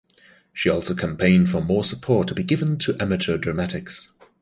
She also campaigned for more support to be given to amateur dramatics.